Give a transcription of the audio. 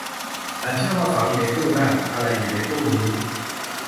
ฉันเชื่อว่าเขาอยู่ในตู้นั่น อะไรอยู่ในตู้นี้